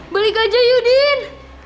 balik aja yuk din